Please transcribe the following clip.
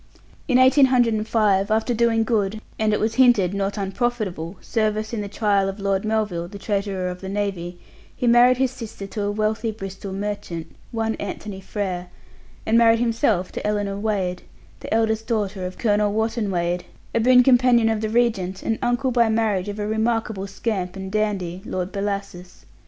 In 1805, after doing good, and it was hinted not unprofitable, service in the trial of Lord Melville, the Treasurer of the Navy, he married his sister to a wealthy Bristol merchant, one Anthony Frere, and married himself to Ellinor Wade, the eldest daughter of Colonel Wotton Wade, a boon companion of the Regent, and uncle by marriage of a remarkable scamp and dandy, Lord Bellasis.